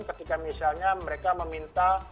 ketika misalnya mereka meminta